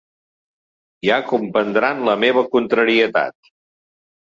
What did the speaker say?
«Ja comprendran la meva contrarietat.